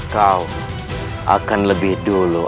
kau akan lebih dulu